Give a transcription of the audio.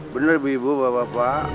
bener bu ibu bapak bapak